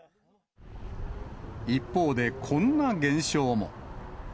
一方で、こんな現象も。